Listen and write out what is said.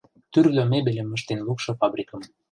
Тӱрлӧ мебельым ыштен лукшо фабрикым.